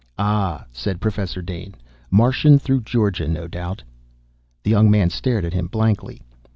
"Ah," said Professor Dane. "Martian through Georgia, no doubt." The young man stared at him blankly.